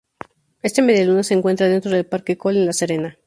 Esta medialuna se encuentra dentro del Parque Coll en La Serena.